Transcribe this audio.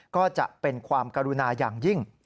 ก็จะเป็นความกรุณาอย่างยิ่ง